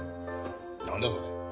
何だいそれ。